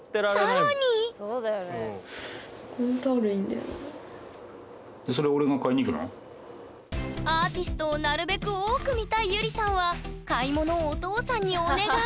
更にアーティストをなるべく多く見たいゆりさんは買い物をお父さんにお願い！